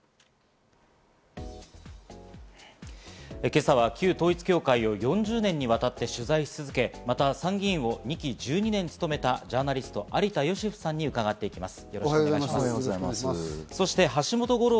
今朝は旧統一教会を４０年にわたって取材し続け、また、参議院を２期１２年務めたジャーナリストの有田芳生さんに伺っていきます。